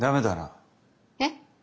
えっ？